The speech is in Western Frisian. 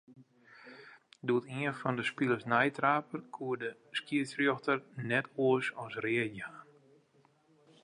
Doe't ien fan 'e spilers neitrape, koe de skiedsrjochter net oars as read jaan.